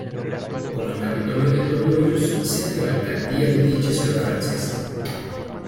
Como el Capitolio de Toulouse, sede de la alcaldía de dicha ciudad francesa.